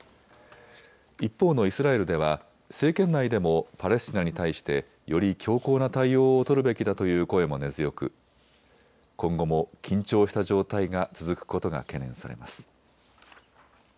一方のイスラエルでは政権内でもパレスチナに対してより強硬な対応を取るべきだという声も根強く今後も緊張した状態が続くことが懸念されます。